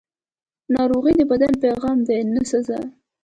ناروغي د بدن پیغام دی، نه سزا.